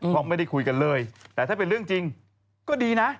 เพราะไม่ได้คุยกันเลยแต่ถ้าเป็นเรื่องจริงก็ดีนะ